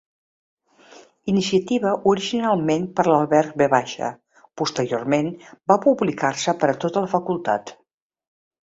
Iniciativa originalment per l'alberg-V, posteriorment va publicar-se per a tota la facultat.